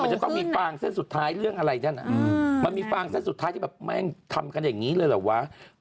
มันจะต้องมีฟางเส้นสุดท้ายเรื่องอะไรท่านมันมีฟางเส้นสุดท้ายที่แบบแม่งทำกันอย่างนี้เลยเหรอวะ